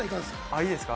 いいですか？